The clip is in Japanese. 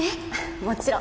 もちろん。